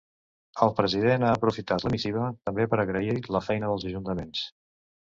El president ha aprofitat la missiva, també, per agrair la feina dels ajuntaments.